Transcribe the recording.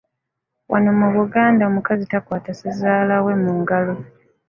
Wano mu Buganda omukazi takwata ssezaala we mu ngalo.